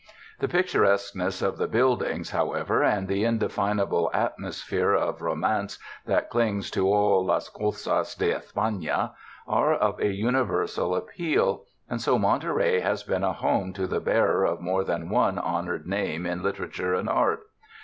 The picturesqueness of the buildings, however, and the indefinable atmosphere of ro mance that clings to all las cosas de Espana, are of a universal appeal, and so Monterey has been a home to the bearer of more than one honored name in literature and art.